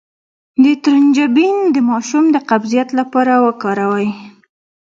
د ترنجبین د ماشوم د قبضیت لپاره وکاروئ